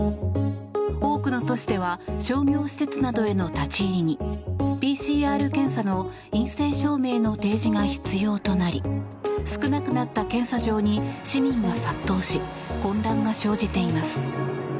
多くの都市では商業施設などへの立ち入りにＰＣＲ検査の陰性証明の提示が必要となり少なくなった検査場に市民が殺到し混乱が生じています。